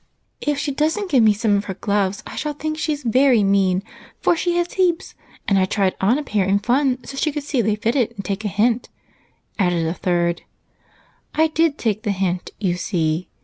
'If she doesn't give me some of her gloves, I shall think she's very mean, for she has heaps, and I tried on a pair in fun so she could see they fitted and take a hint,' added a third. I did take the hint, you see."